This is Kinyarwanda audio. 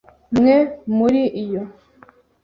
Mwe muri iyo